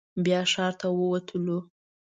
بیا ښار ته ووتلو.